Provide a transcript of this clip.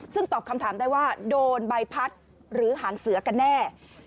ซึ่งตอบคำถามได้ว่าโดนใบพัดหรือหางเสือกันแน่